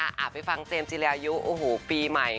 ไปฟังเจมส์จิรายุโอ้โหปีใหม่